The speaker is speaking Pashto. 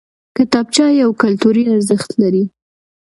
کتابچه یو کلتوري ارزښت لري